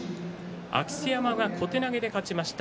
明瀬山、小手投げで勝ちました。